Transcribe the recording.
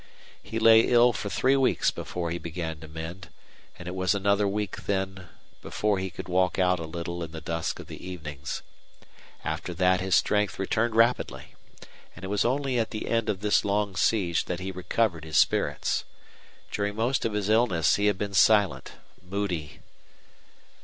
He lay ill for three weeks before he began to mend, and it was another week then before he could walk out a little in the dusk of the evenings. After that his strength returned rapidly. And it was only at the end of this long siege that he recovered his spirits. During most of his illness he had been silent, moody.